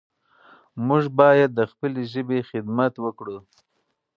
موږ باید د خپلې ژبې خدمت وکړو.